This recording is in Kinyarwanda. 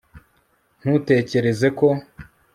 ntutekereze ko